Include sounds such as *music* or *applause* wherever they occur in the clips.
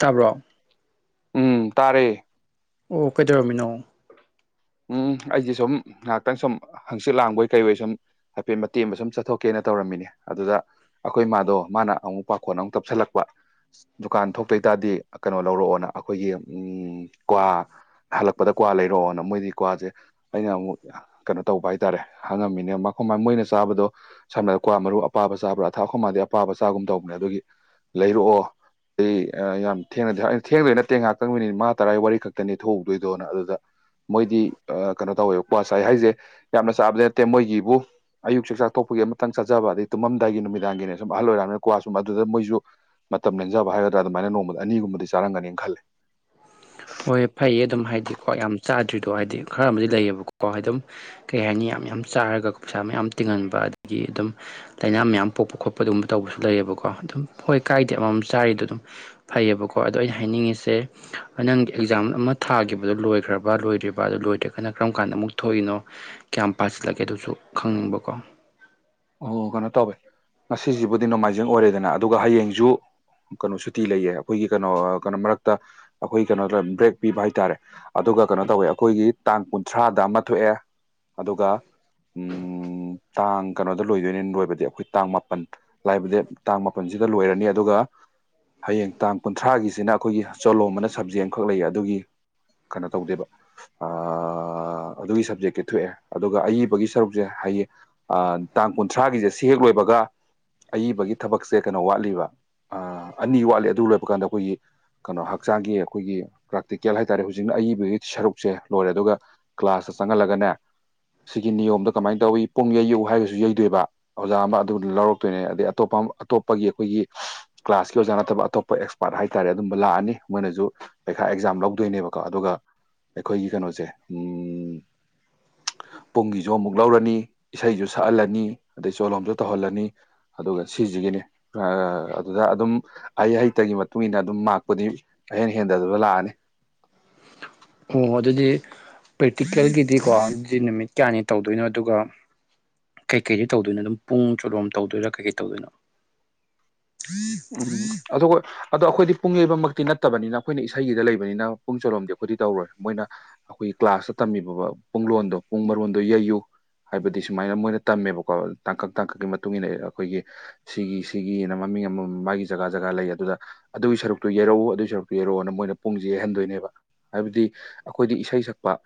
ꯇꯥꯕ꯭ꯔꯣ ꯎꯝ ꯇꯥꯔꯦ ꯑꯣ ꯀꯩꯗꯧꯔꯝꯃꯤꯅꯣ ꯎꯝ ꯑꯩꯗꯤ ꯁꯨꯝ ꯉꯥꯏꯍꯥꯛꯇꯪ ꯁꯨꯝ ꯍꯪꯆꯤꯠ ꯂꯥꯡꯕꯣꯏ ꯀꯩꯍꯣꯏ ꯁꯨꯝ ꯍꯥꯏꯐꯦꯠ ꯃꯇꯦꯛ ꯑꯃ ꯁꯨꯝ ꯆꯠꯊꯣꯛꯀꯦꯅ ꯇꯧꯔꯝꯃꯤꯅꯦ ꯑꯗꯨꯗ ꯑꯩꯈꯣꯏ ꯃꯥꯗꯣ ꯃꯥꯅ ꯑꯃꯨꯛ ꯄꯥꯈꯣꯟ ꯑꯃꯨꯛ ꯇꯞꯁꯤꯜꯂꯛꯄ ꯗꯨꯀꯥꯟ ꯊꯣꯛꯇꯣꯏꯇꯥꯗꯤ ꯀꯩꯅꯣ ꯂꯧꯔꯛꯑꯣꯅ ꯑꯩꯈꯣꯏꯒꯤ ꯎꯝ ꯀ꯭ꯋꯥ ꯍꯜꯂꯛꯄꯗ ꯀ꯭ꯋꯥ ꯂꯩꯔꯣꯑꯣꯅ ꯃꯣꯏꯗꯤ ꯀ꯭ꯋꯥꯁꯦ ꯑꯩꯅ ꯑꯃꯨꯛ ꯀꯩꯅꯣ ꯇꯧꯕ ꯍꯥꯏꯇꯔꯦ ꯍꯪꯉꯝꯃꯤꯅꯦ ꯃꯈꯣꯏ ꯃꯣꯏꯅ ꯆꯥꯕꯗꯣ ꯁꯝꯅ ꯀ꯭ꯋꯥ ꯃꯔꯨ ꯑꯄꯥꯕ ꯆꯥꯕ꯭ꯔꯥ ꯑꯊꯥ ꯈꯣꯏ ꯃꯥꯗꯤ ꯑꯄꯥꯕ ꯆꯥꯒꯨꯝ ꯇꯧꯕꯅꯦ ꯑꯗꯨꯒꯤ ꯂꯩꯔꯛꯑꯣ ꯑꯩ ꯌꯥꯝ ꯊꯦꯡꯅꯗꯤ ꯑꯩꯅ ꯊꯦꯡꯗꯣꯏ ꯅꯠꯇꯦ ꯉꯥꯛꯇꯪ ꯃꯤꯅꯤꯠ ꯃꯉꯥ ꯇꯔꯥ ꯋꯥꯔꯤ ꯈꯛꯇꯅꯤ ꯊꯣꯛꯎꯗꯣꯏꯗꯣꯅ ꯑꯗꯨꯗ ꯃꯣꯏꯗꯤ ꯑ ꯀꯅꯣ ꯇꯧꯋꯦꯕꯀꯣ ꯉꯁꯥꯏ ꯍꯥꯏꯁꯦ ꯌꯥꯝꯅ ꯆꯥꯕꯗꯤ ꯅꯠꯇꯦ ꯃꯣꯏꯒꯤꯕꯨ ꯑꯌꯨꯛ ꯆꯥꯛ ꯆꯥ ꯇꯣꯛꯄꯒꯤ ꯑꯃꯇꯪ ꯆꯥꯖ ꯕ ꯑꯗꯩ ꯇꯨꯝꯃꯝꯗꯥꯏꯒꯤ ꯅꯨꯃꯤꯗꯥꯡꯒꯤꯅꯦ ꯁꯨꯝ ꯑꯍꯜ ꯑꯣꯏꯔꯕꯅꯤꯅ ꯀ꯭ꯋꯥꯁꯨꯝ ꯑꯗꯨꯗ ꯃꯣꯏꯁꯨ ꯃꯇꯝ ꯂꯦꯟꯖꯕ ꯍꯥꯏꯒꯗ꯭ꯔꯥ ꯑꯗꯨꯃꯥꯏꯅ ꯅꯣꯡꯃ ꯑꯅꯤꯒꯨꯝꯕꯗꯤ ꯆꯥꯔꯝꯒꯅꯤꯅ ꯈꯜꯂꯦ *inaudible* ꯍꯣꯏ ꯐꯩꯌꯦ ꯑꯗꯨꯝ ꯍꯥꯏꯗꯤꯀꯣ ꯌꯥꯝ ꯆꯥꯗ꯭ꯔꯤꯗꯣ ꯍꯥꯏꯗꯤ ꯈꯔ ꯑꯃꯗꯤ ꯂꯩꯌꯦꯕꯀꯣ ꯑꯗꯨꯝ ꯀꯩ ꯍꯥꯏꯅꯤ ꯃꯌꯥꯝ ꯆꯥꯔꯒ ꯄꯩꯁꯥ ꯃꯌꯥꯝ ꯇꯤꯡꯍꯟꯕ ꯑꯗꯒꯤ ꯑꯗꯨꯝ ꯂꯩꯥꯅ ꯃꯌꯥꯝ ꯄꯣꯛꯄ ꯈꯣꯠꯄ ꯑꯗꯨꯨꯝꯕ ꯇꯧꯕꯁꯨ ꯂꯩꯌꯦꯕ ꯀꯣ ꯑꯗꯨꯝ ꯍꯣꯏ ꯀꯥꯏꯗꯦ ꯑꯃꯃꯝ ꯆꯥꯔꯤꯗꯣ ꯑꯗꯨꯝ ꯐꯩꯌꯦꯕꯀꯣ ꯑꯗꯣ ꯑꯩꯅ ꯍꯥꯏꯅꯤꯡꯉꯤꯁꯦ ꯅꯪꯒꯤ ꯑꯦꯛꯖꯥꯝ ꯑꯃ ꯊꯥꯈꯤꯕꯗꯨꯣ ꯂꯣꯏꯈ꯭ꯔꯕ ꯂꯣꯏꯗ꯭ꯔꯤꯕ ꯑꯗꯨ ꯂꯣꯏꯗ꯭ꯔꯒꯅ ꯀꯔꯝ ꯀꯥꯟꯗ ꯑꯃꯨꯛ ꯊꯣꯛꯏꯅꯣ ꯀꯌꯥꯝ ꯄꯥꯁꯤꯜꯂꯒꯦꯗꯨꯁꯨ ꯈꯪꯅꯤꯡꯕꯀꯣ ꯑꯣ ꯀꯩꯅꯣ ꯇꯧꯋꯦ ꯉꯁꯤꯁꯤꯕꯨꯗꯤ ꯅꯣꯡꯃꯥꯏꯖꯤꯡ ꯑꯣꯏꯔꯦꯗꯅ ꯑꯗꯨꯒ ꯍꯌꯦꯡꯁꯨ ꯀꯅꯣ ꯁꯨꯇꯤ ꯂꯩꯌꯦ ꯑꯩꯈꯣꯏꯒꯤ ꯀꯩꯅꯣ ꯀꯩꯅꯣ ꯃꯔꯛꯇ ꯑꯩꯈꯣꯏ ꯀꯩꯅꯣꯗ ꯕ꯭ꯔꯦꯛ ꯄꯤꯕ ꯍꯥꯏꯇꯥꯔꯦ ꯑꯗꯣ ꯑꯗꯨꯒ ꯀꯩꯅꯣ ꯇꯧꯋꯦ ꯑꯩꯈꯣꯏꯒꯤ ꯇꯥꯡ ꯀꯨꯟꯊ꯭ꯔꯥꯗ ꯑꯃ ꯊꯣꯛꯑꯦ ꯑꯗꯨꯒ ꯎꯝ ꯇꯥꯡ ꯀꯅꯣꯗ ꯂꯣꯏꯗꯣꯏꯅꯦ ꯂꯣꯏꯕꯗꯤ ꯑꯩꯈꯣꯏ ꯇꯥꯡ ꯃꯥꯄꯟ ꯂꯥꯛꯏꯕꯗꯤ ꯗꯦꯠ ꯇꯥꯡ ꯃꯥꯄꯟꯁꯤꯗ ꯂꯣꯏꯔꯅꯤ ꯑꯗꯨꯒ ꯍꯌꯦꯡ ꯇꯥꯡ ꯀꯨꯟꯊ꯭ꯔꯥꯒꯤꯁꯤꯅ ꯑꯩꯈꯣꯏꯒꯤ ꯆꯣꯂꯣꯝꯑꯅ ꯁꯕꯖꯦꯛ ꯑꯝꯈꯛ ꯂꯩꯌꯦ ꯑꯗꯨꯒꯤ ꯀꯅꯣ ꯇꯧꯗꯦꯕ ꯑꯥ ꯑꯗꯨꯒꯤ ꯁꯞꯖꯦꯛꯇꯤ ꯊꯣꯛꯑꯦ ꯑꯗꯨꯒ ꯑꯏꯕꯒꯤ ꯁꯔꯨꯛꯁꯦ ꯍꯌꯦꯡ ꯑ ꯇꯥꯡ ꯀꯨꯟꯊ꯭ꯔꯥꯒꯤꯁꯦ ꯁꯤ ꯍꯦꯛ ꯂꯣꯏꯕꯒ ꯑꯏꯕꯒꯤ ꯊꯕꯛꯁꯦ ꯀꯩꯅꯣ ꯋꯥꯠꯂꯤꯕ ꯑꯥ ꯑꯅꯤ ꯋꯥꯠꯂꯤ ꯑꯗꯨ ꯂꯣꯏꯕ ꯀꯥꯟꯗ ꯑꯩꯈꯣꯏꯒꯤ ꯀꯅꯣ ꯍꯛꯆꯥꯡꯒꯤ ꯑꯩꯈꯣꯏꯒꯤ ꯄ꯭ꯔꯦꯛꯇꯤꯀꯦꯜ ꯍꯥꯏꯇꯥꯔꯦ ꯍꯧꯖꯤꯛꯅ ꯑꯏꯕꯒꯤ ꯁꯔꯨꯛꯁꯦ ꯂꯣꯏꯔꯦ ꯑꯗꯨꯒ ꯀ꯭ꯂꯥꯁ ꯆꯪꯍꯜꯂꯒꯅꯦ ꯁꯤꯒꯤ ꯅꯤꯌꯣꯝꯗ ꯀꯃꯥꯏ ꯇꯧꯋꯤ ꯄꯨꯡ ꯌꯩꯌꯨ ꯍꯥꯏꯔꯒ ꯌꯩꯗꯣꯏꯕ ꯑꯣꯖꯥ ꯑꯃ ꯑꯗꯨ ꯂꯧꯔꯛꯇꯣꯏꯅꯦ ꯑꯗꯩ ꯑꯇꯣꯞꯄ ꯑꯇꯣꯞꯄꯒꯤ ꯑꯩꯈꯣꯏꯒꯤ ꯀ꯭ꯂꯥꯁꯀꯤ ꯑꯣꯖꯥ ꯉꯥ ꯑꯇꯣꯞ ꯑꯇꯣꯞꯄ ꯑꯦꯛꯁꯄꯥꯔꯠ ꯍꯥꯏꯇꯥꯔꯦ ꯑꯗꯨꯝꯕ ꯂꯥꯛꯑꯅꯤ ꯃꯣꯏꯅꯁꯨ ꯄꯩꯈꯥ ꯑꯦꯛꯖꯥꯝ ꯂꯧꯗꯣꯏꯅꯦꯕꯀꯣ ꯑꯗꯨꯒ ꯑꯩꯈꯣꯏꯒꯤ ꯀꯩꯅꯣꯁꯦ ꯎꯝ ꯄꯨꯡꯒꯤꯁꯨ ꯑꯃꯨꯛ ꯂꯧꯔꯅꯤ ꯏꯁꯩꯁꯨ ꯁꯛꯍꯜꯂꯅꯤ ꯑꯗꯩ ꯆꯣꯂꯣꯝꯁꯨ ꯇꯧꯍꯜꯂꯅꯤ ꯑꯗꯨꯒ ꯁꯤꯁꯤꯒꯤꯅꯤ ꯑ ꯑꯗꯨꯗ ꯑꯗꯨꯝ ꯍꯩ ꯍꯩꯇꯒꯤ ꯃꯇꯨꯡ ꯏꯟꯅ ꯑꯗꯨꯝ ꯃꯥꯛꯄꯨꯗꯤ ꯑꯍꯦꯟ ꯍꯦꯟꯗꯗꯨꯅ ꯂꯥꯛꯑꯅꯤ ꯍꯣ ꯑꯗꯨꯗꯤ ꯄ꯭ꯔꯦꯛꯇꯤꯀꯦꯜꯒꯤꯗꯤꯀꯣ ꯑꯗꯨꯗꯤ ꯅꯨꯃꯤꯠ ꯀ꯭ꯌꯥꯅꯤ ꯇꯧꯗꯣꯏꯅꯣ ꯑꯗꯨꯒ ꯀꯩ ꯀꯩꯗꯤ ꯇꯧꯗꯣꯏꯅꯣ ꯑꯗꯨꯝ ꯄꯨꯡ ꯆꯣꯂꯣꯝ ꯇꯧꯗꯣꯏꯔꯥ ꯀꯩ ꯀꯩ ꯇꯧꯗꯣꯏꯅꯣ ꯎꯝ ꯑꯗꯨꯒꯣ ꯑꯗꯣ ꯑꯈꯣꯏꯗꯤ ꯄꯨꯡ ꯌꯩꯕꯃꯛꯇꯤ ꯅꯠꯇꯕꯅꯤꯅ ꯑꯩꯈꯣꯏꯅ ꯏꯁꯩꯒꯤꯗ ꯂꯩꯕꯅꯤꯅ ꯄꯨꯡ ꯆꯣꯂꯣꯝꯗꯤ ꯑꯩꯈꯣꯏꯗꯤ ꯇꯧꯔꯣꯏ ꯃꯣꯏꯅ ꯑꯩꯈꯣꯏ ꯀ꯭ꯂꯥꯁꯇ ꯇꯝꯃꯤꯕ ꯄꯨꯡꯂꯣꯟꯗꯣ ꯄꯨꯡ ꯃꯔꯣꯟꯗꯣ ꯌꯩꯌꯨ ꯍꯥꯏꯕꯗꯤ ꯁꯨꯃꯥꯏꯅ ꯃꯣꯏꯅ ꯇꯝꯃꯦꯕꯀꯣ ꯇꯥꯡꯀꯛ ꯇꯥꯡꯀꯛꯀꯤ ꯃꯇꯨꯡ ꯏꯟꯅ ꯑꯩꯈꯣꯏꯒꯤ ꯁꯤꯒꯤ ꯁꯤꯒꯤꯅ ꯃꯃꯤꯡ ꯑꯃ ꯃꯥꯒꯤ ꯖꯒꯥ ꯖꯒꯥ ꯂꯩ ꯑꯗꯨꯗ ꯑꯗꯨꯒꯤ ꯁꯔꯨꯛꯇꯨ ꯌꯩꯔꯛꯎ ꯑꯗꯨꯒꯤ ꯁꯔꯨꯛꯇꯨ ꯌꯩꯔꯛꯑꯣꯅ ꯃꯣꯏꯅ ꯄꯨꯡꯖꯦ ꯌꯩꯍꯟꯗꯣꯏꯅꯦꯕ ꯍꯥꯏꯕꯗꯤ ꯑꯈꯣꯏꯗꯤ ꯏꯁꯩ ꯁꯛꯄ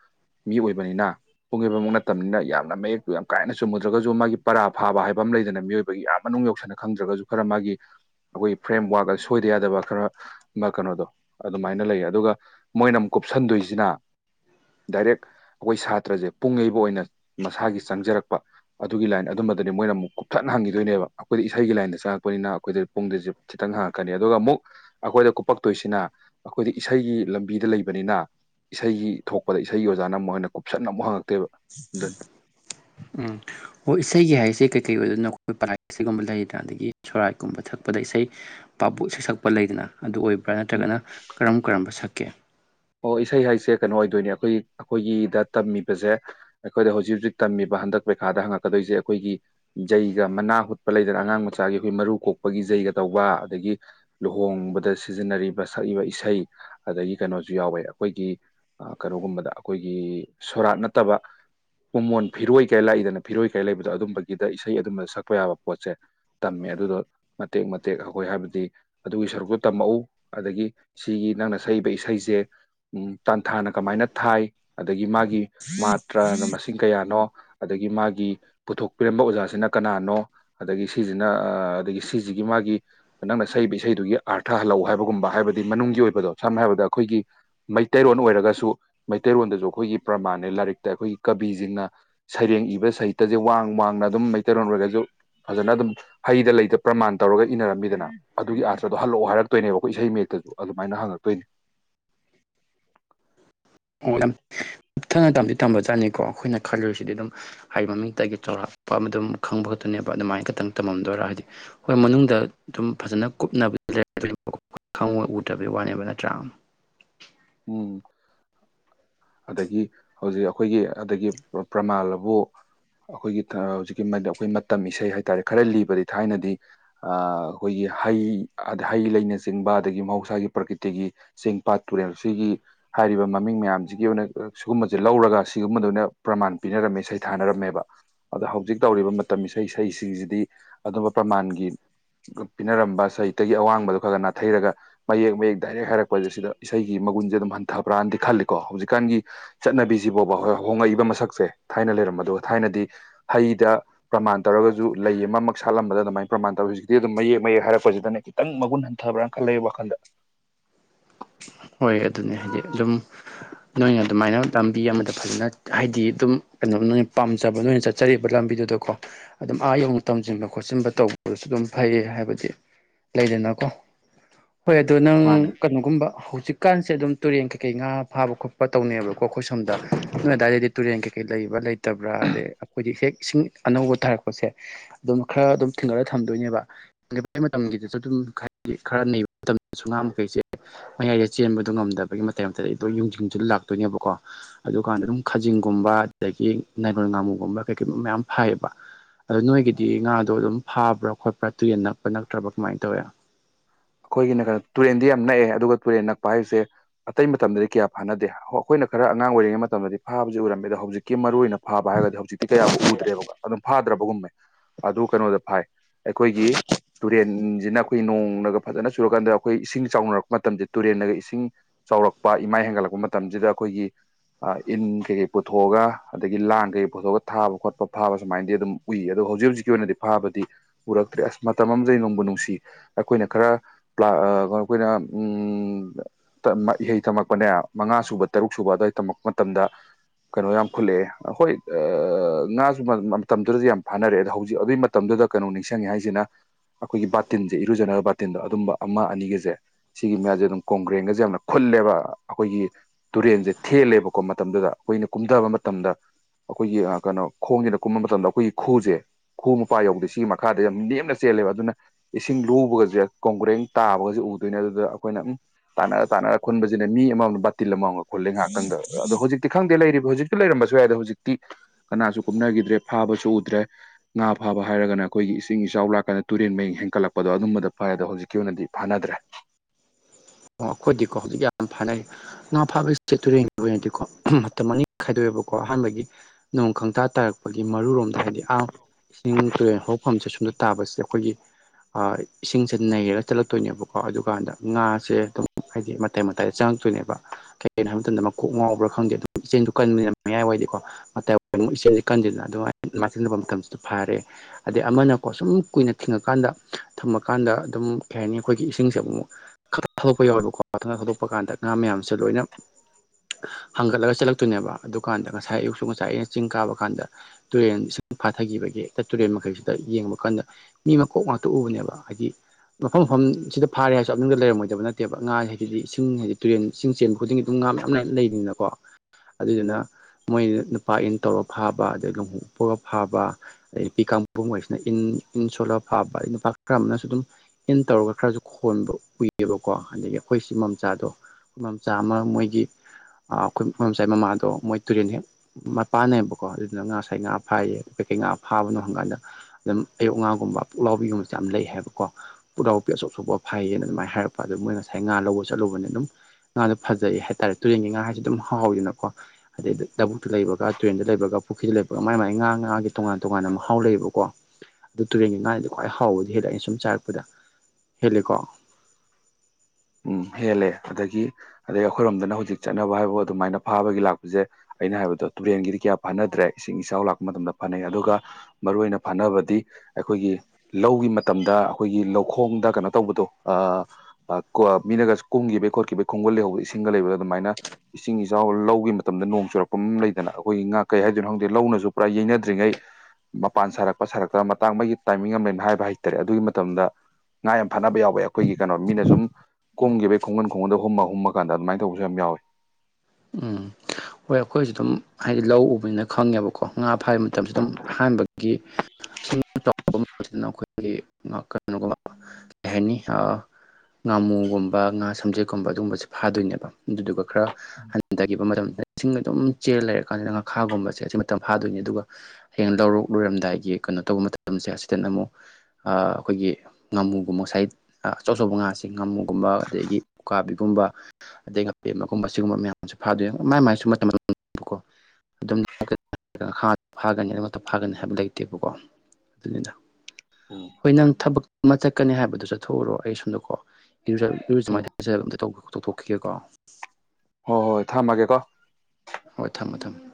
ꯃꯤ ꯑꯣꯏꯕꯅꯤꯅ ꯄꯨꯡ ꯌꯩꯕꯃꯛ ꯅꯠꯇꯝꯅꯤꯅ ꯌꯥꯝꯅ ꯃꯌꯦꯛꯇꯨ ꯌꯥꯝ ꯀꯥ ꯍꯦꯟꯅ ꯆꯨꯝꯃꯨꯗ꯭ꯔꯒꯖꯨ ꯃꯥꯒꯤ ꯄꯔꯥ ꯐꯥꯕ ꯍꯥꯏꯕ ꯑꯝ ꯂꯩꯗꯅ ꯃꯤꯑꯣꯏꯕꯒꯤ ꯑꯥ ꯃꯅꯨꯡ ꯌꯧꯁꯟꯅ ꯈꯪꯗ꯭ꯔꯒꯁꯨ ꯈꯔ ꯃꯥꯒꯤ ꯑꯈꯣꯏꯒꯤ ꯐ꯭ꯔꯦꯝ ꯋꯥꯛ ꯑ ꯁꯣꯏꯗ ꯌꯥꯗꯕ ꯈꯔ ꯃ ꯀꯩꯅꯣꯗꯣ ꯑꯗꯨꯃꯥꯏꯅ ꯂꯩꯌꯦ ꯑꯗꯨꯒ ꯃꯣꯏꯅ ꯃꯨꯛꯀ ꯎꯞꯁꯟꯗꯣꯏꯖꯤꯅ ꯗꯥꯏꯔꯦꯛ ꯑꯈꯣꯏ ꯁꯥꯇ꯭ꯔꯁꯦ ꯄꯨꯡ ꯌꯩꯕ ꯑꯣꯏꯅ ꯃꯁꯥꯒꯤ ꯆꯪꯖꯔꯛꯄ ꯑꯗꯨꯒꯤ ꯂꯥꯏꯟ ꯑꯗꯨꯝꯕꯗꯅꯤ ꯃꯣꯏꯅ ꯑꯃꯨꯛ ꯀꯨꯞꯊꯅ ꯍꯪꯒꯤꯗꯣꯏꯅꯦꯕ ꯑꯈꯣꯏꯗꯤ ꯏꯁꯩꯒꯤ ꯂꯥꯏꯟꯗ ꯆꯪꯉꯛꯄꯅꯤꯅ ꯑꯈꯣꯏꯗ ꯄꯨꯡꯗꯖꯨ ꯈꯤꯇꯪ ꯍꯪꯉꯛꯀꯅꯤ ꯑꯗꯨꯒ ꯑꯃꯨꯛ ꯑꯩꯈꯣꯏꯗ ꯀꯨꯞꯄꯛꯇꯣꯏꯁꯤꯅ ꯑꯩꯈꯣꯏꯗꯤ ꯏꯁꯩꯒꯤ ꯂꯝꯕꯤꯗ ꯂꯩꯕ ꯅꯤꯅ ꯏꯁꯩꯒꯤ ꯊꯣꯛꯄꯗ ꯏꯁꯩꯒꯤ ꯑꯣꯖꯥꯅ ꯃꯨꯛ ꯍꯦꯟꯅ ꯀꯨꯞꯁꯟꯅ ꯑꯃꯨꯛ ꯍꯪꯉꯛꯇꯣꯏꯕ ꯑꯗꯨꯅꯤ ꯎꯝ ꯍꯣꯏ ꯏꯁꯩꯒꯤ ꯍꯥꯏꯔꯤꯁꯦ ꯀꯩꯀꯩ ꯑꯣꯏꯗꯣꯏꯅꯣ ꯑꯩꯈꯣꯏ ꯄꯂꯥ ꯏꯁꯩꯒꯨꯝꯕ ꯂꯩꯗꯅ ꯑꯗꯒꯤ ꯁꯣꯔꯥꯠꯀꯨꯝꯕ ꯊꯛꯄꯗ ꯏꯁꯩ ꯄꯥꯄꯨ ꯏꯁꯩ ꯁꯛꯄ ꯂꯩꯗꯅ ꯑꯗꯨ ꯑꯣꯏꯕ꯭ꯔꯥ ꯎꯝ ꯅꯠꯇ꯭ꯔꯒꯅ ꯀꯔꯝ ꯀꯔꯝꯕ ꯁꯛꯀꯦ ꯑꯣ ꯏꯁꯩ ꯍꯥꯏꯁꯦ ꯀꯅꯣ ꯑꯣꯏꯗꯣꯏꯅꯦ ꯑꯩꯈꯣꯏꯒꯤ ꯑꯩꯈꯣꯏꯒꯤꯗꯥ ꯇꯝꯃꯤꯕꯖꯦ ꯑꯩꯈꯣꯏꯗ ꯍꯧꯖꯤꯛ ꯍꯧꯖꯤꯛ ꯇꯝꯃꯤꯕ ꯍꯟꯗꯛ ꯄꯩꯈꯥꯗ ꯍꯪꯉꯛꯀꯗꯣꯏꯖꯦ ꯑꯈꯣꯏꯒꯤ ꯖꯩꯒ ꯃꯅꯥ ꯍꯨꯠꯄ ꯂꯩꯗꯅ ꯑꯉꯥꯡ ꯃꯆꯥꯒꯤ ꯑꯈꯣꯏ ꯃꯔꯨ ꯀꯣꯛꯄꯒꯤꯖꯦ ꯖꯩꯒ ꯇꯧꯕ ꯑꯗꯒꯤ ꯂꯨꯍꯣꯡꯕꯗ ꯁꯤꯖꯤꯟꯅꯔꯤꯕ ꯁꯛꯏꯕ ꯏꯁꯩ ꯑꯗꯒꯤ ꯀꯅꯣ ꯨ ꯌꯥꯎꯋꯦ ꯑꯈꯣꯏꯒꯤ ꯀꯅꯣꯒꯨꯝꯕꯗ ꯑꯈꯣꯏꯒꯤ ꯁꯣꯔꯥꯠ ꯅꯠꯇꯕ ꯀꯨꯃꯣꯟ ꯐꯤꯔꯣꯏ ꯀꯥꯏ ꯂꯥꯛꯏꯗꯅꯥ ꯐꯤꯔꯣꯏ ꯀꯥꯏ ꯂꯩꯕꯗꯣ ꯑꯗꯨꯝꯕꯒꯤꯗ ꯏꯁꯩ ꯑꯗꯨꯝꯕ ꯁꯛꯄ ꯌꯥꯕ ꯄꯣꯠꯆꯦ ꯇꯝꯃꯦ ꯑꯗꯨꯗꯣ ꯃꯇꯦꯛ ꯃꯇꯦꯛ ꯑꯈꯣꯏ ꯍꯥꯏꯕꯗꯤ ꯑꯗꯨꯒꯤ ꯁꯔꯨꯛꯇꯨ ꯇꯝꯃꯛꯛꯎ ꯑꯗꯒꯤ ꯁꯤꯒꯤ ꯅꯪꯅ ꯁꯛꯏꯕ ꯏꯁꯩꯖꯦ ꯎꯝ ꯇꯥꯟꯊꯥꯅ ꯀꯃꯥꯏꯅ ꯊꯥꯏ ꯑꯗꯒꯤ ꯃꯥꯒꯤ ꯃꯥꯇ꯭ꯔꯅ ꯃꯁꯤꯡ ꯀꯌꯥꯅꯣ ꯑꯗꯒꯤ ꯃꯥꯒꯤ ꯄꯨꯊꯣꯛꯄꯤꯔꯝꯕ ꯑꯣꯖꯥꯁꯤꯅ ꯀꯅꯥꯅꯣ ꯑꯗꯒꯤ ꯁꯤꯖꯤꯅꯥ ꯑꯥ ꯑꯗꯒꯤ ꯁꯤꯖꯤꯒꯤ ꯃꯥꯒꯤ ꯅꯪꯅ ꯁꯛꯏꯕ ꯏꯁꯩꯗꯨꯒꯤ ꯑꯥꯔꯊ ꯍꯜꯂꯛꯎ ꯍꯥꯏꯕꯒꯨꯝꯕ ꯍꯥꯏꯕꯗꯤ ꯃꯅꯨꯡꯒꯤ ꯑꯣꯏꯕꯗꯣ ꯁꯝꯅ ꯍꯥꯏꯔꯕꯗ ꯑꯩꯈꯣꯏꯒꯤ ꯃꯩꯇꯩꯔꯣꯟ ꯑꯣꯏꯔꯒꯁꯨ ꯃꯩꯇꯩꯔꯣꯟꯗꯖꯨ ꯑꯈꯣꯏꯒꯤ ꯄ꯭ꯔꯃꯥꯟꯅꯦ ꯂꯥꯏꯔꯤꯛꯇ ꯑꯩꯈꯣꯏꯒꯤ ꯀꯕꯤꯖꯤꯡꯅ ꯁꯩꯔꯦꯡ ꯏꯕ ꯁꯍꯤꯇ꯭ꯌꯖꯦ ꯋꯥꯡ ꯋꯥꯡꯅ ꯑꯗꯨꯝ ꯃꯩꯇꯩꯔꯣꯟ ꯑꯣꯏꯔꯖꯨ ꯐꯖꯅ ꯑꯗꯨꯝ ꯍꯩꯗ ꯂꯩꯗ ꯄ꯭ꯔꯃꯥꯟ ꯇꯧꯔꯒ ꯏꯅꯔꯝꯃꯤꯗꯅꯥ ꯑꯗꯨꯒꯤ ꯑꯥꯔꯊꯗꯣ ꯍꯜꯂꯛꯑꯣ ꯍꯥꯏꯔꯛꯇꯣꯏꯅꯦꯕ ꯑꯩꯈꯣꯏ ꯏꯁꯩ ꯃꯌꯦꯛꯇ ꯑꯗꯨꯃꯥꯏꯅ ꯍꯪꯉꯛꯇꯣꯏꯅꯤ ꯑꯣ ꯌꯥꯝ ꯀꯨꯞꯊꯅ ꯇꯝꯗꯤ ꯇꯝꯕꯖꯥꯠꯅꯤꯀꯣ ꯑꯈꯣꯏꯅ ꯈꯜꯂꯨꯔꯤꯁꯤꯗꯤ ꯗꯨꯝ ꯍꯥꯏꯕ ꯃꯃꯤꯡꯇꯒꯤ ꯆꯥꯎꯔꯥꯛꯄ ꯑꯗꯨꯝ ꯈꯪꯕ ꯈꯠꯇꯅꯦꯕꯥ ꯑꯗꯨꯃꯥꯏ ꯈꯇꯪ ꯇꯝꯃꯝꯗꯣꯏꯔꯥ ꯍꯥꯏꯗꯤ ꯍꯣꯏ ꯃꯅꯨꯡꯗ ꯑꯗꯨꯝ ꯐꯖꯅ ꯀꯨꯞꯅꯕꯨ *unintelligible* ꯈꯪꯉꯣꯏ ꯎꯗꯕꯩ ꯋꯥꯅꯦꯕ ꯅꯠꯇ꯭ꯔꯥ ꯎꯝ ꯑꯗꯒꯤ ꯍꯧꯖꯤꯛ ꯑꯈꯣꯏꯒꯤ ꯑꯗꯒꯤ ꯄ꯭ꯔꯃꯥꯜꯑꯕꯨ ꯑꯈꯣꯏꯒꯤ ꯊꯔꯥꯍꯨꯖꯤꯒꯤ ꯃꯥꯏꯗꯤ ꯑꯩꯈꯣꯏ ꯃꯇꯝ ꯏꯁꯩ ꯍꯥꯏꯇꯥꯔꯦ ꯈꯔ ꯂꯤꯕꯗꯤ ꯊꯥꯏꯅꯗꯤ ꯑꯥ ꯑꯈꯣꯏꯒꯤ ꯍꯩ ꯑꯗ ꯍꯩ ꯂꯩꯅꯆꯤꯡꯕ ꯑꯗꯒꯤ ꯃꯍꯧꯁꯥꯒꯤ ꯄ꯭ꯔꯀꯤꯇꯤꯒꯤ ꯆꯤꯡ ꯄꯥꯠ ꯇꯨꯔꯦꯜ ꯁꯤꯒꯤ ꯍꯥꯏꯔꯤꯕ ꯃꯃꯤꯡ ꯃꯌꯥꯝꯖꯤꯒꯤ ꯑꯣꯏꯅ ꯁꯤꯒꯨꯝꯕꯖꯦ ꯂꯧꯔꯒ ꯁꯤꯒꯨꯝꯕꯗꯨꯅ ꯄ꯭ꯔꯃꯥꯟ ꯄꯤꯅꯔꯝꯃꯦ ꯏꯁꯩ ꯊꯥꯅꯔꯝꯃꯦꯕꯥ ꯑꯗ ꯍꯧꯖꯤꯛ ꯇꯧꯔꯤꯕ ꯃꯇꯝ ꯏꯁꯩ ꯁꯛꯏꯁꯤꯡꯖꯤꯗꯤ ꯑꯗꯨꯝꯕ ꯄ꯭ꯔꯃꯥꯟꯒꯤ ꯄꯤꯅꯔꯝꯕ ꯁꯍꯤꯇ꯭ꯌꯒꯤ ꯑꯋꯥꯡꯕꯗꯣ ꯈꯒ ꯅꯥꯊꯩꯔꯒ ꯃꯌꯦꯛ ꯃꯌꯦꯛ ꯗꯥꯏꯔꯦꯛ ꯍꯥꯏꯔꯛꯄꯖꯦ ꯁꯤꯗꯥ ꯏꯁꯩ ꯑꯩꯒꯤ ꯃꯒꯨꯟꯖꯦ ꯑꯗꯨꯝ ꯍꯟꯊꯕ꯭ꯔꯥꯅꯗꯤ ꯈꯜꯂꯤꯀꯣ ꯍꯧꯖꯤꯛꯀꯥꯟꯒꯤ ꯆꯠꯅꯕꯤꯖꯤꯕꯣꯕ ꯍ ꯍꯣꯡꯉꯛꯏꯕ ꯃꯁꯛꯁꯦ ꯊꯥꯏꯅ ꯂꯩꯔꯝꯕꯗꯣ ꯊꯥꯏꯅꯗꯤ ꯍꯩꯗ ꯄ꯭ꯔꯃꯥꯟ ꯇꯧꯔꯒꯖꯨ ꯂꯩ ꯑꯃ ꯃꯛ ꯁꯥꯠꯂꯝꯕꯗ ꯑꯗꯨꯃꯥꯏ ꯄ꯭ꯔꯃꯥꯟ ꯇꯧꯌꯤ ꯍꯧꯖꯤꯛꯇꯤ ꯑꯗꯨꯝ ꯃꯌꯦꯛ ꯃꯌꯦꯛ ꯍꯥꯏꯔꯛꯄꯖꯤꯗꯅꯦ ꯈꯤꯇꯪ ꯃꯒꯨꯟ ꯍꯟꯊꯕ꯭ꯔꯥꯅ ꯈꯜꯂꯦ ꯑꯩ ꯋꯥꯈꯟꯗ ꯍꯣꯏ ꯑꯗꯨꯅꯦ ꯍꯥꯏꯗꯤ ꯑꯗꯨꯝ ꯅꯣꯏꯅ ꯑꯗꯨꯃꯥꯏꯅ ꯂꯝꯕꯤ ꯑꯃꯗ ꯐꯖꯅ ꯍꯥꯏꯗꯤ ꯑꯗꯨꯝ ꯀꯅꯣ ꯅꯣꯏꯅ ꯄꯥꯝꯖꯕ ꯅꯣꯏꯅ ꯆꯠꯆꯔꯤꯕ ꯂꯝꯕꯤ ꯑꯗꯨꯗꯀꯣ ꯑꯗꯨꯝ ꯑꯥ ꯌꯧꯅ ꯇꯝꯖꯤꯟꯕ ꯈꯣꯠꯆꯤꯟꯕ ꯇꯧꯕꯗꯁꯨ ꯑꯗꯨꯝ ꯐꯩ ꯍꯥꯏꯕꯗꯤ ꯂꯩꯗꯅꯥꯀꯣ ꯍꯣꯏ ꯑꯗꯨ ꯅꯪ ꯃꯥꯅꯦ ꯀꯅꯣꯒꯨꯝꯕ ꯍꯧ ꯍꯧꯖꯤꯛꯀꯥꯟꯁꯦ ꯑꯗꯨꯝ ꯇꯨꯔꯦꯟ ꯀꯩꯀꯩ ꯉꯥ ꯐꯥꯕ ꯈꯣꯠꯄ ꯇꯧꯅꯦꯕꯀꯣ ꯑꯩꯈꯣꯏ ꯁꯣꯝꯗ ꯅꯣꯏ ꯑꯗꯥꯏꯗꯩꯗꯤ ꯇꯨꯔꯦꯟ ꯀꯩ ꯀꯩ ꯂꯩ ꯂꯩꯕ꯭ꯔꯥ ꯂꯩꯇꯕ꯭ꯔꯥ ꯑꯗꯩ ꯑꯈꯣꯏꯗꯤ ꯍꯦꯛ ꯏꯁꯤꯡ ꯑꯅꯧꯕ ꯇꯥꯔꯛꯄꯁꯦ ꯑꯗꯨꯝ ꯈꯔ ꯗꯨꯝ ꯊꯤꯡꯒꯠꯂ ꯊꯝꯗꯣꯏꯅꯤ ꯅꯦꯕꯥ ꯉꯜꯂꯤꯉꯩ ꯃꯇꯝꯒꯤꯗꯨꯖꯨ ꯑꯗꯨꯝ ꯍꯥꯏꯗꯤ ꯈꯔ ꯅꯩꯕ ꯃꯇꯝꯗꯖꯨ ꯉꯥ ꯃꯈꯩꯁꯦ ꯃꯌꯥꯏꯗ ꯆꯦꯟꯕꯗꯣ ꯉꯝꯗꯕꯒꯤ ꯃꯇꯥꯏ ꯃꯇꯥꯏ ꯏꯗꯣ ꯌꯨꯡꯖꯤꯡꯖꯨ ꯂꯥꯛꯇꯣꯏꯅꯦꯕꯀꯣ ꯑꯗꯨꯀꯥꯟꯗ ꯑꯗꯨꯝ ꯈꯖꯤꯡꯒꯨꯝꯕ ꯑꯗꯩ ꯗꯒꯤ ꯅꯥꯏꯔꯣꯟ ꯉꯥꯃꯨꯒꯨꯝꯕ ꯀꯩ ꯀꯩꯒꯨꯝꯕ ꯃꯌꯥꯝ ꯐꯥꯏꯌꯦꯕ ꯑꯗꯣ ꯅꯣꯏꯒꯤꯗꯤ ꯉꯥꯗꯣ ꯑꯗꯨꯝ ꯐꯥꯕ꯭ꯔꯥ ꯈꯣꯠꯄ꯭ꯔꯥ ꯇꯨꯔꯦꯟ ꯅꯛꯄ꯬ꯔ ꯅꯛꯇ꯭ꯔꯕ ꯀꯃꯥꯏ ꯇꯧꯋꯤ ꯑꯩꯈꯣꯏꯒꯤꯅ ꯀꯩꯅꯣ ꯇꯨꯔꯦꯟꯗꯤ ꯌꯥꯝ ꯅꯛꯑꯦ ꯑꯗꯨꯒ ꯇꯨꯔꯦꯟ ꯅꯛꯄ ꯍꯥꯏꯁꯦ ꯑꯇꯩ ꯃꯇꯝꯗꯗꯤ ꯀꯌꯥ ꯐꯥꯅꯗꯦ ꯑꯩꯈꯣꯏꯅ ꯈꯔ ꯑꯉꯥꯡ ꯑꯣꯏꯔꯤꯉꯩ ꯃꯇꯝꯗꯗꯤ ꯐꯥꯕꯁꯤ ꯎꯔꯝꯃꯦ ꯑꯗꯣ ꯍꯧꯖꯤꯛꯀꯤ ꯃꯔꯨꯑꯣꯏꯅ ꯐꯥꯕ ꯍꯥꯏꯔꯒꯗꯤ ꯍꯧꯖꯤꯛꯇꯤ ꯀꯌꯥꯕꯨ ꯎꯗ꯭ꯔꯦꯕꯀꯣ ꯑꯗꯨꯝ ꯐꯥ ꯒꯨꯝꯃꯦ ꯑꯗꯨ ꯀꯩꯅꯣꯗ ꯐꯥꯏ ꯑꯩꯈꯣꯏꯒꯤ ꯇꯨꯔꯦꯟꯁꯤꯅ ꯑꯩꯈꯣꯏ ꯅꯣꯡꯅꯒ ꯐꯖꯅ ꯆꯨꯔꯀꯥꯟꯗ ꯑꯩꯈꯣꯏ ꯏꯁꯤꯡ ꯆꯥꯎꯅꯔꯛꯄ ꯃꯇꯝꯁꯦ ꯇꯨꯔꯦꯜꯟꯅꯒ ꯏꯁꯤꯡ ꯆꯥꯎꯔꯛꯄ ꯏꯃꯥꯏ ꯍꯦꯟꯒꯠꯂꯛꯄ ꯃꯇꯝꯁꯤꯗ ꯑꯩꯈꯣꯏ ꯑꯈꯣꯏꯒꯤ ꯑ ꯏꯟ ꯀꯩꯀꯩ ꯄꯨꯊꯣꯛꯑꯒ ꯑꯗꯒꯤ ꯂꯥꯡ ꯀꯩꯀꯩ ꯄꯨꯊꯣꯛꯑꯒ ꯊꯥꯕ ꯈꯣꯠꯄ ꯐꯥꯕ ꯁꯨꯃꯥꯏꯅꯗꯤ ꯑꯗꯨꯝ ꯎꯏ ꯑꯗꯨ ꯍꯧꯖꯤꯛ ꯍꯧꯖꯤꯛꯀꯤ ꯑꯣꯏꯅꯗꯤ ꯐꯥꯕꯗꯤ ꯎꯔꯛꯇ꯭ꯔꯦ ꯑꯁ ꯃꯇꯝ ꯑꯃꯗꯗꯤ ꯅꯣꯡꯕꯨ ꯅꯨꯡꯁꯤ ꯑꯩꯈꯣꯏꯅ ꯈꯔ ꯄ꯭ꯂ ꯑꯈꯣꯏꯅ ꯑ ꯎꯝ ꯇ ꯃ ꯏꯍꯩ ꯇꯝꯃꯛꯄꯅꯦ ꯃꯉꯥ ꯁꯨꯕ ꯇꯔꯨꯛ ꯁꯨꯕ ꯑꯗꯨꯋꯥ ꯇꯝꯃꯛꯄ ꯃꯇꯝꯗ ꯀꯩꯅꯣ ꯌꯥꯝ ꯈꯨꯨꯠꯂꯛꯑꯦ ꯑꯈꯣꯏ ꯑ ꯉꯥꯒꯤ ꯃꯇꯝꯗꯨꯗꯗꯤ ꯌꯥꯝ ꯐꯥꯅꯔꯛ ꯑꯦ ꯑꯗꯣ ꯍꯧꯖꯤꯛ ꯑꯗꯨꯒꯤ ꯃꯇꯝ ꯑꯗꯨꯗ ꯀꯩꯅꯣ ꯅꯤꯡꯁꯤꯡꯉꯛ ꯑꯦ ꯍꯥꯏꯁꯤꯅ ꯑꯩꯈꯣꯏꯒꯤ ꯕꯥꯇꯤꯟꯁꯦ ꯏꯔꯨꯖꯅꯕ ꯕꯥ ꯇꯤꯟꯗꯣ ꯑꯗꯨꯝꯕ ꯑꯃ ꯑꯅꯤꯒꯁꯦ ꯁꯤꯒꯤ ꯃꯌꯥꯁꯦ ꯑꯗꯨꯝ ꯀꯣꯡꯒ꯭ꯔꯦꯡꯒꯁꯦ ꯌꯥꯝꯅ ꯈꯨꯜꯂꯦꯕ ꯑꯩꯈꯣꯏꯒꯤ ꯇꯨꯔꯦꯟꯁꯦ ꯊꯦꯜꯂꯦꯕꯀꯣ ꯃꯇꯝꯗꯨꯗ ꯑꯩꯈꯣꯏꯅ ꯀꯨꯝꯘꯕ ꯃꯇꯝꯗ ꯑꯩꯈꯣꯏꯒꯤ ꯀꯩꯅꯣ ꯈꯣꯡꯁꯤꯅ ꯀꯨꯝꯕ ꯃꯇꯝꯗ ꯑꯩꯈꯣꯏꯒꯤ ꯈꯨꯁꯦ ꯈꯨ ꯃꯄꯥ ꯌꯧꯗꯦ ꯁꯤꯒꯤ ꯃꯈꯥꯗ ꯌꯥꯝ ꯅꯦꯝꯅ ꯆꯦꯜꯂꯦꯕ ꯑꯗꯨꯅ ꯏꯁꯤꯡ ꯂꯨꯕꯒꯁꯦ ꯀꯣꯡꯒ꯭ꯔꯦꯡ ꯇꯥꯕꯒꯁꯨ ꯎꯗꯣꯏꯅꯦ ꯑꯗꯨꯗ ꯑꯩꯈꯣꯏꯅ ꯇꯥꯟꯅꯔ ꯇꯥꯟꯅꯔ ꯈꯨꯟꯕꯁꯤꯅ ꯃꯤ ꯑꯃꯃꯝꯅ ꯕꯥꯇꯤꯜ ꯑꯃꯃꯝ ꯍꯨꯜꯂꯤ ꯉꯍꯥꯛꯇꯪꯗ ꯑꯗꯣ ꯍꯧꯖꯤꯛꯇꯤ ꯈꯪꯗꯦ ꯂꯩꯔꯤꯕ ꯍꯧꯖꯤꯛꯇꯤ ꯂꯩꯔꯝꯕꯁꯨ ꯌꯥꯏꯗ ꯍꯧꯖꯤꯛꯇꯤ ꯀꯅꯥꯁꯨ ꯀꯨꯞꯅꯈꯤꯗ꯭ꯔꯦ ꯐꯥꯕꯁꯨ ꯎꯗ꯭ꯔꯦ ꯉꯥ ꯐꯥꯕ ꯍꯥꯏꯔꯒꯅ ꯑꯩꯈꯣꯏꯒꯤ ꯏꯁꯤꯡ ꯏꯆꯥꯎ ꯂꯥꯛꯀꯥꯟ ꯇꯨꯔꯦꯟ ꯃꯌꯦꯡ ꯍꯦꯟꯀꯠꯂꯛꯄꯗꯣ ꯑꯗꯨꯝꯕꯗ ꯐꯥꯢ ꯑꯗꯣ ꯍꯧꯖꯤꯛꯀꯤ ꯑꯣꯏꯅꯗꯤ ꯐꯥꯅꯗ꯭ꯔꯦ ꯑꯣ ꯑꯩꯈꯣꯏꯗꯤꯀꯣ ꯍꯧꯖꯤꯛ ꯌꯥꯝꯅ ꯐꯅꯩ ꯉꯥ ꯐꯥꯕꯦ ꯇꯨꯔꯦꯟꯒꯤ ꯑꯣꯏꯅꯗꯤꯀꯣ ꯃꯇꯝ ꯑꯅꯤ ꯈꯥꯏꯗꯣꯛꯑꯦꯕꯀꯣ ꯑꯍꯥꯟꯕꯒꯤ ꯅꯣꯡ ꯈꯪꯇꯥ ꯇꯥꯔꯛꯄꯒꯤ ꯃꯔꯨꯔꯣꯝꯗ ꯍꯥꯏꯕꯗꯤ ꯑꯥ ꯏꯁꯤꯡ ꯇꯨꯔꯦꯟ ꯍꯧꯔꯛꯐꯝꯁꯦ ꯁꯣꯝꯗ ꯇꯥꯕꯁꯦ ꯑꯩꯈꯣꯏꯒꯤ ꯑ ꯏꯁꯤꯡꯁꯦ ꯅꯩꯔꯒ ꯆꯠꯂꯛꯇꯣꯏꯅꯦꯕꯀꯣ ꯑꯗꯨꯀꯥꯟꯗ ꯉꯥꯁꯦ ꯑꯗꯨꯝ ꯍꯥꯏꯗꯤ ꯃꯇꯥꯏ ꯃꯇꯥꯏꯗ ꯆꯪꯉꯛꯇꯣꯏꯅꯦꯕ ꯀꯩꯒꯤꯅꯣ ꯍꯥꯏꯕ ꯃꯇꯝꯗ ꯃꯀꯣꯛ ꯉꯥꯎꯕ꯭ꯔꯥ ꯈꯪꯗꯦ ꯑꯗꯨ ꯏꯆꯦꯟꯗꯨ ꯀꯟꯕꯅꯤꯅ ꯃꯌꯥꯏ ꯑꯣꯏꯗꯤꯀꯣ ꯑꯇ ꯄꯟ ꯏꯁꯤꯡꯁꯦ ꯀꯟꯗꯦꯗꯅ ꯑꯗꯨ ꯃꯥꯏꯅ ꯁꯤꯖꯤꯟꯅꯕ ꯃꯇꯝꯁꯤ ꯐꯔꯦ ꯑꯗꯩ ꯑꯃꯅꯀꯣ ꯁꯨꯝ ꯑꯗꯨꯝ ꯀꯨꯏꯅ ꯊꯤꯡꯉꯀꯥꯟꯗ ꯊꯝꯃꯀꯥꯟꯗ ꯑꯗꯨꯝ ꯀꯩ ꯍꯥꯏꯅꯤ ꯑꯩꯈꯣꯏꯒꯤ ꯏꯁꯤꯡꯁꯦ ꯑꯃꯨꯛꯃꯨꯛ ꯈꯡꯊꯥ ꯊꯗꯣꯛ ꯍꯣꯢ ꯌꯥꯎꯋꯦꯕꯀꯣ ꯈꯣꯊ ꯊꯥꯗꯣꯛꯄ ꯀꯥꯟꯗ ꯉꯥ ꯃꯌꯥꯝꯁꯦ ꯂꯣꯏꯅ ꯍꯪꯒꯠꯂꯒ ꯆꯠꯂꯛꯇꯣꯏꯅꯦꯕ ꯑꯗꯨꯀꯥꯟꯗ ꯉꯁꯥꯏ ꯑꯌꯨꯛꯁꯨ ꯉꯁꯥꯏ ꯑꯩꯅ ꯆꯤꯡ ꯀꯥꯕ ꯀꯥꯟꯗ ꯇꯨꯔꯦꯟ ꯐꯥꯊꯈꯤꯕꯒꯤ ꯍꯛꯇ ꯇꯨꯔꯦꯜ ꯃꯈꯩꯁꯤꯗ ꯌꯦꯡꯕ ꯀꯥꯟꯗ ꯃꯤ ꯃꯀꯣꯛ ꯉꯥꯛꯇ ꯎꯕꯅꯦꯕ ꯍꯥꯏꯗꯤ ꯃꯐꯝ ꯃꯐꯝ ꯁꯤꯗ ꯐꯥꯔꯦ ꯍꯥꯏꯔꯁꯨ ꯑꯗꯨꯗ ꯂꯩꯔꯝꯃꯣꯏꯗꯕ ꯅꯠꯇꯦ ꯅꯠꯇꯦꯕ ꯉꯥ ꯍꯥꯏꯗꯤ ꯏꯁꯤꯡ ꯍꯥꯏꯗꯤ ꯇꯨꯔꯦꯟ ꯏꯁꯤꯡ ꯆꯦꯟꯕ ꯈꯨꯗꯤꯡꯒꯤ ꯑꯗꯨꯝ ꯉꯥ ꯃꯌꯥꯝ ꯂꯩ ꯂꯩꯔꯤꯅꯤꯅꯀꯣ ꯑꯗꯨꯗꯨꯅ ꯃꯣꯏ ꯅꯨꯄꯥ ꯏꯟ ꯇꯧꯔꯒ ꯐꯥꯕ ꯑꯗꯩ ꯂꯨꯡꯎꯞ ꯎꯞꯄꯒ ꯐꯥꯕ ꯑꯗꯩ ꯅꯨꯄꯤ ꯀꯥ ꯀꯥꯡꯄꯨꯝ ꯑꯣꯢꯔꯤꯁꯤꯅ ꯏꯟ ꯏꯟ ꯁꯣꯂꯛꯑ ꯐꯥꯕ ꯑꯗꯩ ꯅꯨꯄꯥ ꯈꯔ ꯑꯃꯅꯁꯨ ꯑꯗꯨꯝ ꯏꯟ ꯇꯧꯔꯒ ꯈꯔꯁꯨ ꯈꯣꯟꯕ ꯎꯏꯌꯦꯕ ꯀꯣ ꯑꯗꯒꯤ ꯑꯩꯈꯣꯏ ꯁꯤ ꯃꯝꯆꯥꯗꯣ ꯃꯝꯆꯥ ꯑꯃ ꯃꯣꯏꯒꯤ ꯑꯩꯈꯣꯏ ꯃꯁꯥꯏ ꯃꯃꯥꯗꯣ ꯃꯣꯏ ꯇꯨꯔꯦꯟ ꯍꯦꯛ ꯃꯄꯥꯟꯅꯩꯕꯀꯣ ꯑꯗꯨꯅ ꯉꯥꯁꯏ ꯉꯥ ꯐꯥꯏꯌꯦ ꯉꯥ ꯐꯥꯕꯅꯣ ꯍꯪꯀꯟꯗ ꯑꯗꯨꯝ ꯑꯌꯣꯛ ꯉꯥꯒꯨꯝꯕ ꯄꯨꯛꯂꯥꯎꯕꯤꯒꯨꯝꯕꯁꯦ ꯌꯥꯝ ꯂꯩ ꯍꯥꯏꯕꯀꯣ ꯄꯨꯛꯂꯥꯎꯕꯤ ꯈꯣꯢ ꯆꯣꯞꯄ ꯐꯩꯏꯌꯦꯅ ꯑꯗꯨꯝꯃꯏꯅ ꯍꯣꯏꯔꯞ ꯑꯗꯨ ꯃꯣꯏ ꯉꯁꯥꯏ ꯉꯥ ꯂꯧꯕ ꯆꯠꯂꯨꯕꯅꯤ ꯑꯗꯨꯝ ꯉꯥꯗꯣ ꯐꯖꯩ ꯍꯥꯏꯇꯔꯦ ꯇꯨꯔꯦꯟꯒꯤ ꯉꯥ ꯍꯥꯏꯁꯦ ꯑꯗꯨꯝ ꯍꯥꯎꯋꯤꯗꯅꯀꯣ ꯍꯥꯢꯗꯤ ꯂꯕꯨꯨꯛꯇ ꯂꯩꯕꯒ ꯇꯨꯔꯦꯟꯗ ꯂꯩꯕꯒꯥ ꯄꯨꯈ꯭ꯔꯤꯗ ꯂꯩꯕꯒ ꯃꯥꯏ ꯃꯥꯏ ꯉꯥ ꯉꯥꯒꯤ ꯇꯣꯉꯥꯟ ꯇꯣꯉꯥꯟꯕ ꯃꯍꯥꯎ ꯂꯩꯌꯦꯕꯀꯣ ꯑꯗꯨ ꯇꯨꯔꯦꯟꯒꯤ ꯉꯥꯅꯗꯤ ꯈ꯭ꯋꯥꯏ ꯍꯥꯎꯕꯗꯤ ꯍꯦꯜꯂꯦ ꯑꯩꯅ ꯁꯨꯝ ꯆꯥꯔꯛꯄꯗ ꯍꯦꯜꯂꯦꯀꯣ ꯎꯝ ꯍꯦꯜꯂꯦ ꯑꯗꯒꯤ ꯑꯗꯒꯤ ꯑꯩꯈꯣꯏꯔꯣꯝꯗꯅ ꯍꯧꯖꯤꯛ ꯆꯠꯅꯕ ꯍꯥꯏꯕꯕꯨ ꯑꯗꯨꯃꯥꯏꯅ ꯐꯥꯕꯒꯤ ꯂꯥꯛꯄꯁꯦ ꯑꯩꯅ ꯍꯥꯏꯕꯗꯣ ꯇꯨꯔꯦꯟꯒꯤꯗꯤ ꯀꯌꯥ ꯐꯅꯗ꯭ꯔꯦ ꯏꯁꯤꯡ ꯏꯆꯥꯎ ꯂꯥꯛꯄ ꯃꯇꯝꯗ ꯐꯅꯩ ꯑꯗꯨꯒ ꯃꯔꯨꯑꯣꯏꯅ ꯐꯅꯕꯗꯤ ꯑꯩꯈꯣꯏꯒꯤ ꯂꯧꯒꯤ ꯃꯇꯝꯗ ꯑꯩꯈꯣꯏꯒꯤ ꯂꯧꯈꯣꯡꯗ ꯀꯩꯅꯣ ꯇꯧꯕꯗꯣ ꯑ ꯑ ꯀꯣ ꯃꯤꯅꯒ ꯁꯨꯝ ꯀꯨꯝꯈꯤꯕꯒꯤ ꯈꯣꯠꯈꯤꯕꯒꯤ ꯈꯣꯡꯒꯜ ꯂꯩꯍꯧꯕꯗꯣ ꯏꯁꯤꯡꯒ ꯂꯩꯕꯗꯣ ꯑꯗꯨꯃꯥꯏꯅ ꯏꯁꯤꯡ ꯏꯆꯥꯎ ꯂꯧꯒꯤ ꯃꯇꯝꯗ ꯅꯣꯡ ꯆꯨꯔꯛꯄ ꯑꯃ ꯂꯩꯗꯅ ꯑꯩꯈꯣꯏꯒꯤ ꯉꯥ ꯀꯩ ꯍꯥꯏꯗꯣꯏꯅꯣ ꯈꯪꯗꯦ ꯂꯧꯅꯁꯨ ꯄꯨꯔꯥ ꯌꯩꯅꯗ꯭ꯔꯤꯉꯩ ꯃꯄꯥꯟ ꯁꯥꯔꯛꯄ ꯁꯥꯔꯛꯇꯕ ꯃꯇꯥꯡ ꯃꯣꯏꯒꯤ ꯇꯥꯏꯃꯤꯡ ꯑꯃ ꯂꯩꯅ ꯍꯥꯏꯕ ꯍꯇꯥꯔꯦ ꯑꯗꯨꯒꯤ ꯃꯇꯝꯗ ꯉꯥ ꯌꯥꯝ ꯐꯅꯕ ꯌꯥꯎꯋꯦ ꯑꯩꯈꯣꯏꯒꯤ ꯀꯩꯅꯣ ꯃꯤꯅ ꯁꯨꯝ ꯀꯨꯝꯈꯤꯕꯒꯤ ꯈꯣꯡꯒꯨꯟ ꯈꯣꯡꯒꯨꯟ ꯍꯨꯝꯃ ꯍꯨꯝꯃ ꯀꯥꯟꯗ ꯑꯗꯨꯃꯥꯏꯅ ꯇꯧꯕꯁꯨ ꯌꯥꯝ ꯌꯥꯎꯋꯦ ꯎꯝ ꯍꯣꯏ ꯑꯩꯈꯣꯏꯁꯨ ꯑꯗꯨꯝ ꯍꯥꯏꯗꯤ ꯂꯧ ꯎꯕꯅꯤꯅ ꯈꯪꯉꯦꯕꯀꯣ ꯉꯥ ꯐꯥꯕ ꯃꯇꯝꯁꯤ ꯑꯗꯨꯝ ꯑꯍꯥꯟꯕꯒꯤ ꯏꯁꯤꯡ ꯆꯧꯕ ꯃꯇꯝꯅ ꯑꯩꯈꯣꯏꯒꯤ ꯀꯩꯅꯣꯒꯨꯝꯕ ꯀꯩ ꯍꯥꯏꯅꯤ ꯑ ꯉꯥꯃꯨꯒꯨꯝꯕ ꯉꯥ ꯁꯝꯖꯦꯛ ꯀꯨꯝꯕ ꯑꯗꯨꯒꯨꯝꯕꯁꯦ ꯐꯥꯗꯣꯏꯅꯦꯕ ꯑꯗꯨꯗꯨꯒ ꯈꯔ ꯍꯥ ꯍꯟꯊꯈꯤꯕ ꯃꯇꯝꯗ ꯏꯁꯤꯡ ꯑꯗꯨꯝ ꯆꯦꯜꯂ ꯂꯩꯔ ꯀꯥꯟꯁꯤꯗ ꯉꯈꯥꯒꯨꯝꯕꯁꯦ ꯑꯁꯤ ꯃꯇꯝ ꯐꯥꯗꯣꯏꯅꯤ ꯑꯗꯨꯒ ꯍꯌꯦꯡ ꯂꯧꯔꯨ ꯂꯣꯏꯔꯝꯗꯥꯏꯒꯤ ꯀꯩꯅꯣ ꯇꯧꯕ ꯃꯇꯝꯁꯦ ꯑꯁꯤꯗꯅ ꯑꯃꯨꯛ ꯑ ꯑꯩꯈꯣꯏꯒꯤ ꯉꯥꯃꯨꯒꯨꯝꯕꯨ ꯉꯁꯥꯏ ꯑ ꯑꯆꯧ ꯑꯆꯧꯕ ꯉꯥꯁꯤꯡ ꯉꯥꯃꯨꯒꯨꯝꯕ ꯑꯗꯒꯤ ꯎꯀꯥꯕꯤꯒꯨꯝꯕ ꯑꯗꯩ ꯍꯥꯄꯦꯝꯃꯒꯨꯝꯕ ꯁꯤꯒꯨꯝꯕ ꯃꯌꯥꯝ ꯑꯁꯤ ꯐꯥꯗꯣꯏ ꯃꯥꯏ ꯃꯥꯏꯁꯨ ꯃꯇꯝ ꯅꯦꯕꯀꯣ ꯑꯗꯨꯝ ꯉꯈꯥ ꯐꯥꯒꯅꯤ ꯑꯗꯨ ꯉꯛꯇ ꯐꯥꯒꯅꯤ ꯍꯥꯏꯕ ꯂꯩꯇꯦꯕꯀꯣ ꯑꯗꯨꯅꯤꯗ ꯎꯝ ꯍꯣꯏ ꯅꯪ ꯊꯕꯛ ꯑꯃ ꯆꯠꯀꯅꯤ ꯍꯥꯏꯕꯗꯨ ꯆꯠꯊꯣꯛꯎꯔꯣ ꯑꯩ ꯁꯣꯝꯗꯀꯣ ꯢꯔꯨꯖ ꯢꯔꯨꯖ ꯃꯥꯏ ꯎꯝ ꯊꯖ ꯑꯇ ꯇꯧꯊꯣꯛꯈꯤꯒꯦꯀꯣ ꯍꯣꯏ ꯍꯣꯏ ꯊꯝꯃꯒꯦ ꯀꯣ ꯍꯣꯏ ꯊꯝꯃꯣ ꯊꯝꯃꯣ